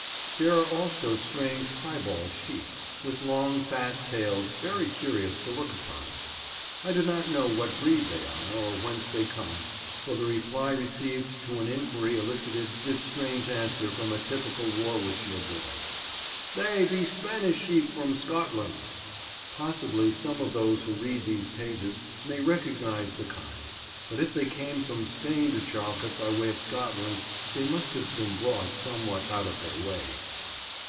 There are also strange piebald sheep, with long fat tails, very curious to look upon. I do not know what breed they are, or whence they come, for the reply received to an inquiry elicited this strange answer from a typical Warwickshire boy: "Thaay be Spanish sheep from Scotland." Possibly some of those who read these pages may recognise the kind; but if they came from Spain to Charlecote by way of Scotland they must have been brought somewhat out of their way.